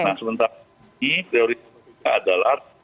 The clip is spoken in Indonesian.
nah sementara ini prioritas kita adalah